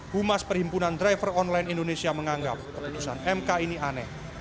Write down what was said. keputusan mk indonesia menganggap keputusan mk ini aneh